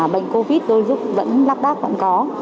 bệnh covid lắp đắp vẫn có